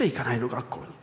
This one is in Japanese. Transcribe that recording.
学校に」。